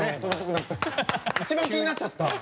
一番気になっちゃった。